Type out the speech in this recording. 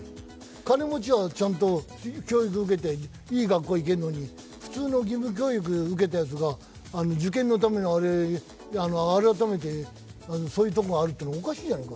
金持ちはちゃんと教育受けていい学校行けんのに普通の義務教育を受けたやつが受験のための改めてそういうところがあるっておかしいじゃねえか。